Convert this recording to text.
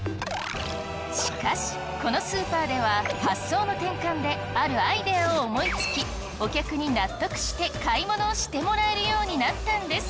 しかしこのスーパーでは発想の転換であるアイデアを思いつきお客に納得して買い物をしてもらえるようになったんです！